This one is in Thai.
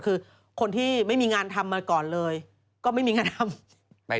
คือคนที่ไม่มีงานทำมาก่อนเลยก็ไม่มีงานทำ